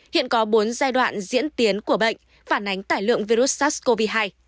hiện có bốn giai đoạn diễn tiến của bệnh và nánh tài lượng virus sars cov hai